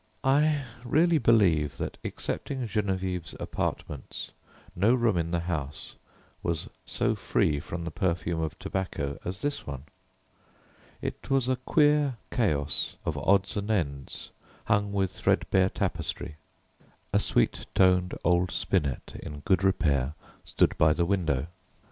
I really believe that, excepting Geneviève's apartments, no room in the house was so free from the perfume of tobacco as this one. It was a queer chaos of odds and ends, hung with threadbare tapestry. A sweet toned old spinet in good repair stood by the window.